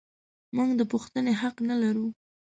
موږ د پوښتنې حق نه لرو.